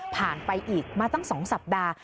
ไปอีกมาตั้ง๒สัปดาห์